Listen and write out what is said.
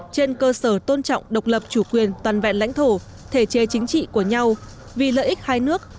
trên cơ sở tôn trọng độc lập chủ quyền toàn vẹn lãnh thổ thể chế chính trị của nhau vì lợi ích hai nước